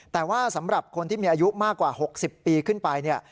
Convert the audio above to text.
แต่ว่าสำหรับคนที่มีอายุมากกว่า๖๐ปีขึ้นไปเนี่ย